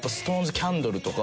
キャンドルとか。